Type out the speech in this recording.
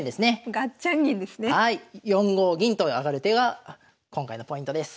４五銀と上がる手が今回のポイントです。